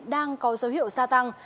đang có dấu hiệu gia tăng